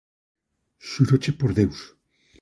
Xúroche por Deus.